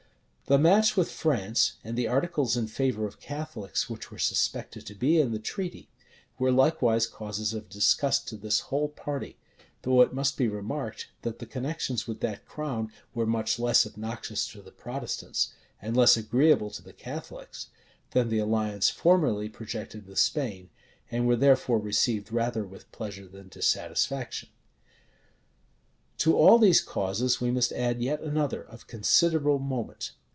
The match with France, and the articles in favor of Catholics which were suspected to be in the treaty, were likewise causes of disgust to this whole party: though it must be remarked, that the connections with that crown were much less obnoxious to the Protestants, and less agreeable to the Catholics, than the alliance formerly projected with Spain, and were therefore received rather with pleasure than dissatisfaction. To all these causes we must yet add another, of considerable moment.